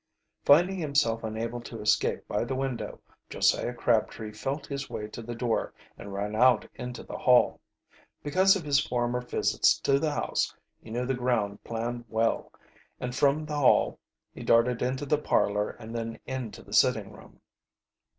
Finding himself unable to escape by the window, Josiah Crabtree felt his way to the door and ran out into the hall. Because of his former visits to the house he knew the ground plan well, and from the hall he darted into the parlor and then into the sitting room.